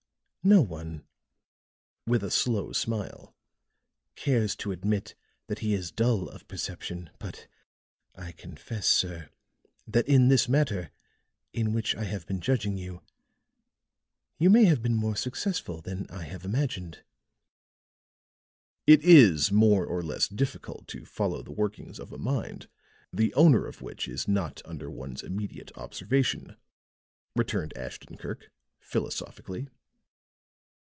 No one," with a slow smile, "cares to admit that he is dull of perception, but I confess, sir, that in this matter, in which I have been judging you, you may have been more successful than I have imagined." "It is more or less difficult to follow the workings of a mind, the owner of which is not under one's immediate observation," returned Ashton Kirk, philosophically.